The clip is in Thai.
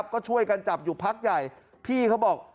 ก็ช่วยกันจับอยู่พักใหญ่พี่เขาบอก